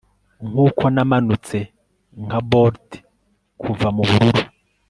Nkuko namanutse nka bolt kuva mubururu